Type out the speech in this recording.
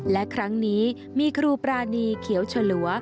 และครั้งนี้มีครูปรานีเขียวฉลัว